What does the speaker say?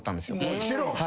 もちろん。